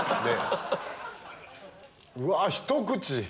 うわひと口！